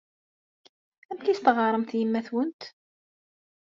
Amek ay as-teɣɣaremt i yemma-twent?